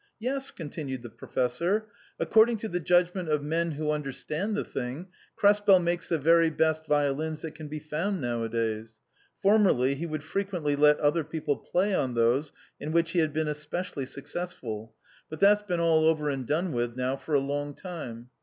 "Yes," continued the Professor, " according to the judgment of men who understand the thing, Krespel makes the very best violins that can be found nowadays ; formerly he would frequently let other people play on those in which he had been especially successful, but that's been all over and done with now for a long time.